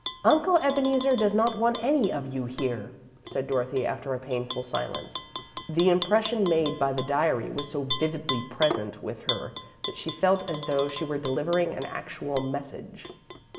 "Uncle Ebeneezer does not want any of you here," said Dorothy, after a painful silence. The impression made by the diary was so vividly present with her that she felt as though she were delivering an actual message.